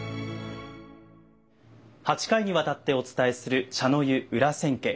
８回にわたってお伝えする「茶の湯裏千家」。